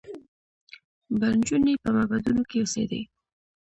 به نجونې په معبدونو کې اوسېدې